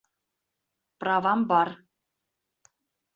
Правам бар.